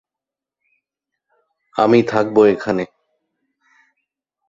আমি থাকবো এখানে।